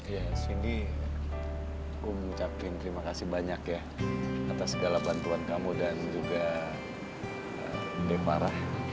ya sindi gue mau ucapin terima kasih banyak ya atas segala bantuan kamu dan juga devarah